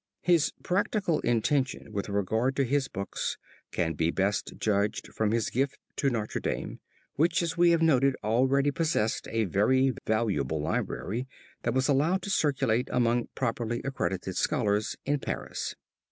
His practical intention with regard to his books can be best judged from his gift to Notre Dame, which, as we have noted already possessed a very valuable library that was allowed to circulate among properly accredited scholars in Paris.